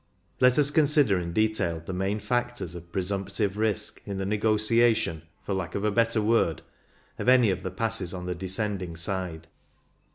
Let JUS consider in detail the main factors of presumptive risk in the " negotiation "— for lack of a better word— of any of the passes on the descending side.